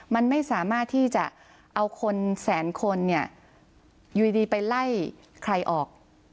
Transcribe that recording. มันไม่สามารถที่จะเอาคนแสนคนเนี่ยอยู่ดีไปไล่ใครออก